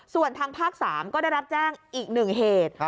ส่วนทางภาค๓ก็ได้รับแจ้งอีก๑เหตุ